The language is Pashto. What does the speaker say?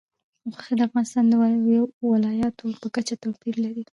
غوښې د افغانستان د ولایاتو په کچه توپیر لري.